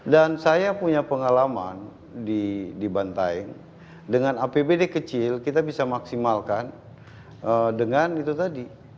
dan saya punya pengalaman di bantai dengan apbd kecil kita bisa maksimalkan dengan itu tadi